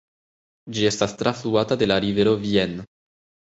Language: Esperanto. Ĝi estas trafluata de la rivero Vienne.